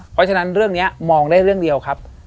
เพราะฉะนั้นเรื่องนี้มองได้เรื่องเดียวครับ